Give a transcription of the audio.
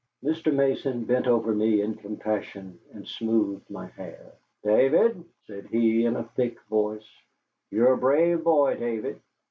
Mr. Mason bent over me in compassion, and smoothed my hair. "David," said he, in a thick voice, "you are a brave boy, David.